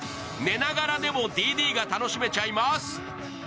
寝ながらでも「Ｄ．Ｄ．」が楽しめちゃいます。